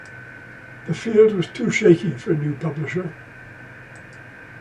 The field was too shaky for a new publisher.